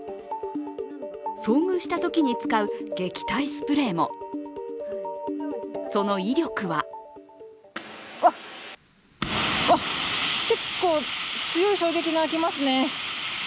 遭遇したときに使う撃退スプレーもその威力は結構強い衝撃が来ますね。